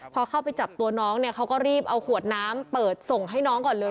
พอเข้าไปจับตัวน้องเนี่ยเขาก็รีบเอาขวดน้ำเปิดส่งให้น้องก่อนเลย